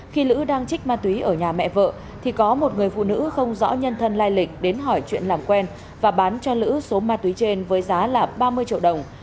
khi lữ đang trích ma túy ở nhà mẹ vợ thì có một người phụ nữ không rõ nhân thân lai lịch đến hỏi chuyện làm quen và bán cho lữ số ma túy trên với giá là ba mươi triệu đồng